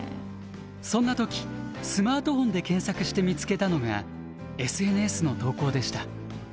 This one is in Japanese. そんな時スマートフォンで検索して見つけたのがＳＮＳの投稿でした。